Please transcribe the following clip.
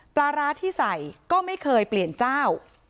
ปลาร้าที่ใส่ก็ไม่เคยเปลี่ยนเจ้า